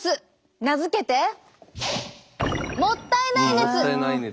名付けてもったいない熱。